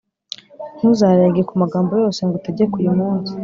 ntuzarenge ku magambo yose ngutegeka uyu munsi,